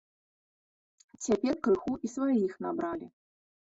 Цяпер крыху і сваіх набралі.